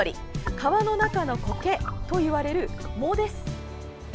川の中のコケといわれる、藻です。